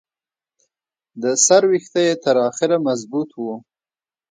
د سر ویښته یې تر اخره مضبوط وو.